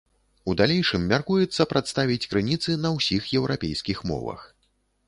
У далейшым мяркуецца прадставіць крыніцы на ўсіх еўрапейскіх мовах.